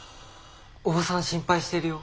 伯母さん心配してるよ。